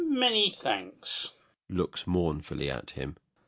] Many thanks. [Looks mournfully at him.